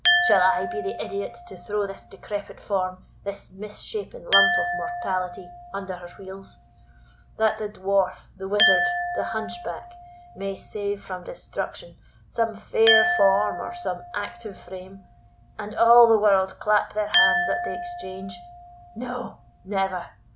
Shall I be the idiot to throw this decrepit form, this mis shapen lump of mortality, under her wheels, that the Dwarf, the Wizard, the Hunchback, may save from destruction some fair form or some active frame, and all the world clap their hands at the exchange? No, never!